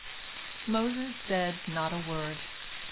Moses said not a word.